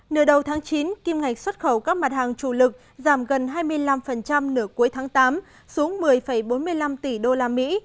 nửa đầu tháng chín kim ngạch xuất khẩu các mặt hàng chủ lực giảm gần hai mươi năm nửa cuối tháng tám xuống một mươi bốn mươi năm tỷ đô la mỹ